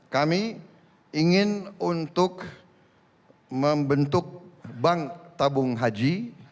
kami ingin untuk membentuk bank tabung haji